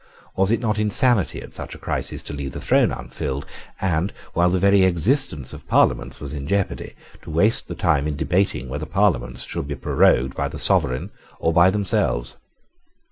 Was it not insanity, at such a crisis, to leave the throne unfilled, and, while the very existence of Parliaments was in jeopardy, to waste time in debating whether Parliaments should be prorogued by the sovereign or by themselves?